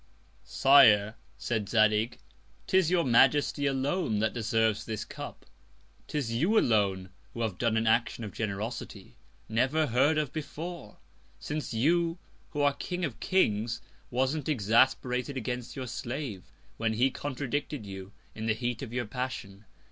Sire, said Zadig, 'tis your Majesty alone, that deserves the Cup; 'tis you alone who have done an Action of Generosity, never heard of before; since you, who are King of Kings, wasn't exasperated against your Slave, when he contradicted you in the Heat of your Passion.